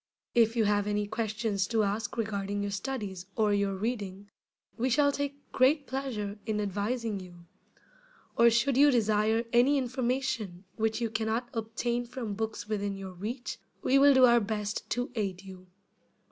If you have any questions to ask regarding your studies or your reading, we shall take great pleasure in advising you; or should you desire any information which you can not obtain from books within your reach, we will do our best to aid you.